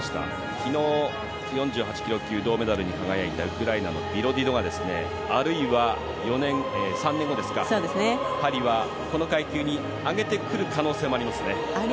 昨日、４８ｋｇ級の銅メダルに輝いたウクライナの選手はあるいは、３年後のパリではこの階級に上げてくる可能性もありますね。